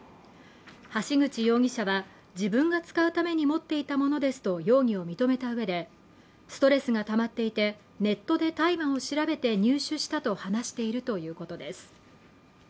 橋口容疑者は自分が使うために持っていたものですと容疑を認めた上でストレスがたまっていてネットで大麻を調べて入手したと話しているということです